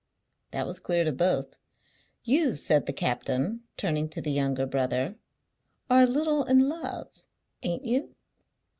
That was clear to both. "You," said the captain, turning to the younger brother, "are a little in love; ain't you?"